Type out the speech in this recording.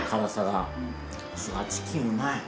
あぁチキンうまい。